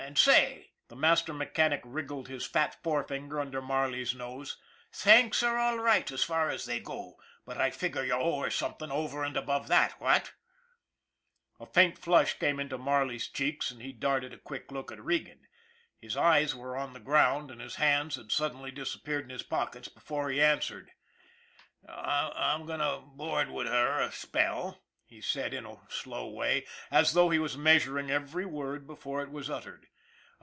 And say " the master mechanic wriggled his fat forefinger under Marley's nose " thanks are all right as far as they go, but I figure you owe her something over and above that, what ?" A faint flush came into Marley's cheeks and he darted a quick look at Regan. His eyes were on the ground and his hands had suddenly disappeared in his pockets before he answered. " I'm going to board with her a spell," he said in a slow way, as though he was measuring every word before it was uttered.